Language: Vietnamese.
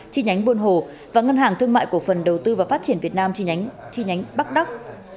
chi nhánh buôn hồ và ngân hàng thương mại cổ phần đầu tư và phát triển việt nam chi nhánh bắc đắc